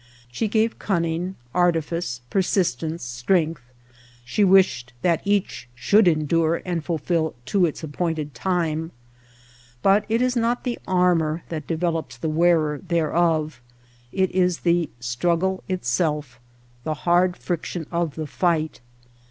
She gave cunning, artifice, persistence, strength ; she wished that each should endure and fulfil to its appointed time. But it is not the armor that develops the wearer thereof. It is the struggle itself — the hard friction of the fight.